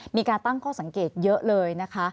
มีการตั้งข้อสังเกตเยอะเลยนะคะ